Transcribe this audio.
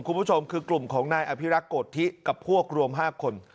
คุณผู้ชมคือกลุ่มของนายอภิรักษ์โกธิกับพวกรวม๕คน